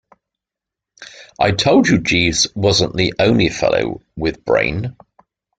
I told you Jeeves wasn't the only fellow with brain.